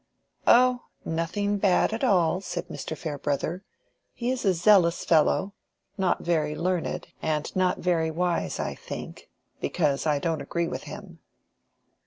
"Oh, nothing bad at all," said Mr. Farebrother. "He is a zealous fellow: not very learned, and not very wise, I think—because I don't agree with him."